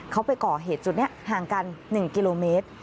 เขาไปก่อเหตุจุดนี้ห่างกัน๑กิโลเมตร